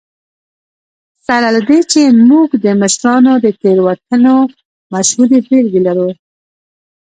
سره له دې چې موږ د مشرانو د تېروتنو مشهورې بېلګې لرو.